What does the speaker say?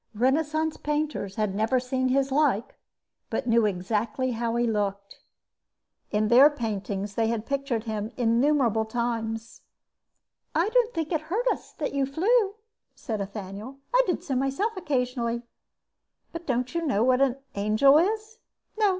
Renaissance painters had never seen his like but knew exactly how he looked. In their paintings they had pictured him innumerable times. "I don't think it hurt us that you flew," said Ethaniel. "I did so myself occasionally." "But you don't know what an angel is?" "No.